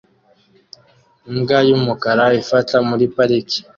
Imbwa y'umukara ifata muri parike